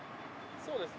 そうですね。